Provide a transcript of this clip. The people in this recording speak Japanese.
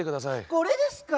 これですか？